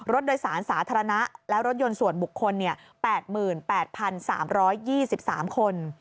รถโดยสารสาธารณะและรถยนต์ส่วนบุคคล๘๘๓๒๓คน